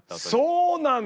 そうなんだ！